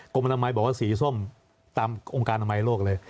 กรมอนามัยบอกว่าสีส้มตามองค์การอนามัยโลกเลย